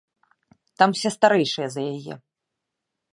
Там усе старэйшыя за яе.